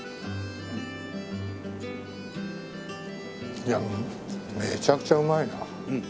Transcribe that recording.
いやめちゃくちゃうまいな。